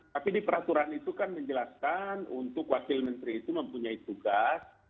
tapi di peraturan itu kan menjelaskan untuk wakil menteri itu mempunyai tugas